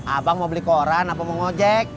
abang mau beli koran apa mau ngojek